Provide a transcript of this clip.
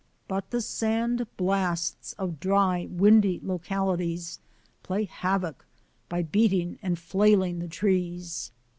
But the sand blasts of dry, windy localities play havoc by beating and flaying the trees.